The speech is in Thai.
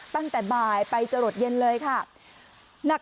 ตั้งแต่บ่ายไปจรดเย็นเลยค่ะ